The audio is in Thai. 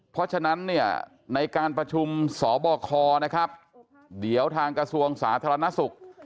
เพราะฉะนั้นเนี่ยในการประชุมสบคนะครับเดี๋ยวทางกระทรวงสาธารณสุข